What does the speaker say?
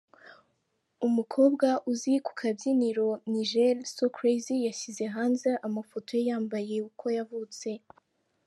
Umukobwa uzwi ku kabyiniro Nigel so crazy yashyize hanze amafoto ye yambaye uko yavutse.